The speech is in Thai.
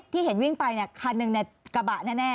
ที่เห็นวิ่งไปคันหนึ่งกระบะแน่